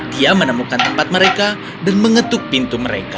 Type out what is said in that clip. tia menemukan tempat mereka dan mengetuk pintu mereka